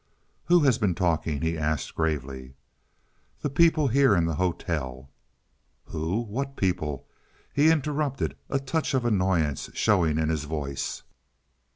"Who has been talking?" he asked gravely. "The people here in the hotel." "Who, what people?" he interrupted, a touch of annoyance showing in his voice.